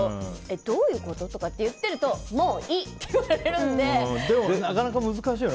どういうこと？とか言ってるとこれ、なかなか難しいよね。